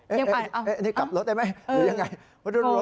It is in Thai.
อันนี้กลับรถได้ไหมหรือยังไง